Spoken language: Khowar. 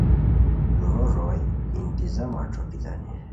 دُورو روئے انتظامہ ݯوکیتانی